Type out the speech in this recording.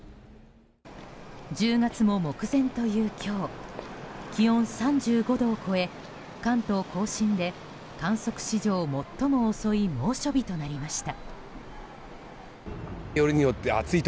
１０月も目前という今日気温３５度を超え関東・甲信で観測史上最も遅い猛暑日となりました。